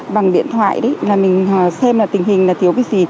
bằng điện thoại đấy là mình xem là tình hình là thiếu cái gì